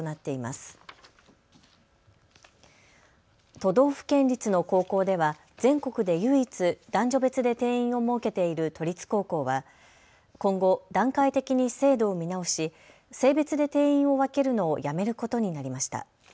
都道府県立の高校では全国で唯一、男女別で定員を設けている都立高校は今後、段階的に制度を見直し性別で定員を分けるのをやめることになりました。